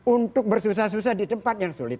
untuk bersusah susah di tempat yang sulit